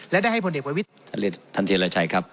และได้ให้ผลเด็กกว่าวิทยาลัยชัยครับ